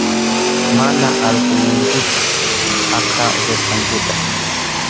Mana alkul ninkuchu aqha upyasqankuta.